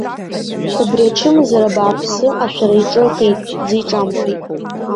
Убри ачымазара бааԥсы, ашәара, иҿы акит, дзиҿамԥеит.